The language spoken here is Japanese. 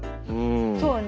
そうね。